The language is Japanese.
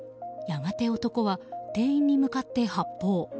やがて男は、店員に向かって発砲。